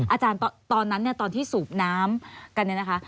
อาจารย์ตอนนั้นเนี่ยตอนที่สูบน้ำกันเนี่ยนะคะ